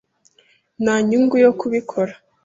Nta nyungu yo kubikora.